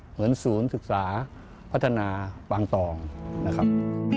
เหมือนศูนย์ศึกษาพัฒนาปางต่องนะครับ